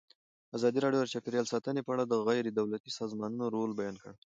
ازادي راډیو د چاپیریال ساتنه په اړه د غیر دولتي سازمانونو رول بیان کړی.